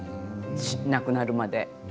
亡くなるまで。